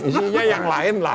isinya yang lain lah